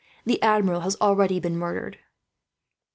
The Admiral has already been murdered."